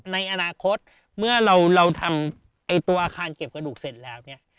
ในอนาคตเมื่อเราทำตัวอาคารเก็บกระดูกเสร็จแล้วเนี่ย